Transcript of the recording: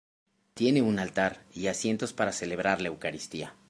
Tiene un altar y asientos para celebrar la eucaristía.